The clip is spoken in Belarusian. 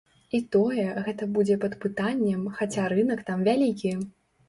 І тое, гэта будзе пад пытаннем, хаця рынак там вялікі.